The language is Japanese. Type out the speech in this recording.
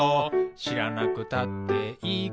「しらなくたっていいことだけど」